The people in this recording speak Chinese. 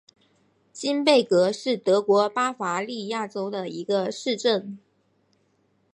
金贝格是德国巴伐利亚州的一个市镇。